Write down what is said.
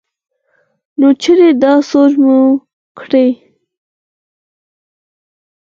نو چرې دا سوچ مو کړے